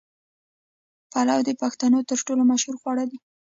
پلو د پښتنو تر ټولو مشهور خواړه دي.